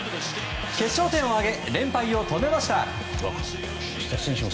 決勝点を挙げ連敗を止めました。